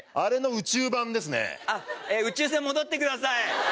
宇宙船戻ってください。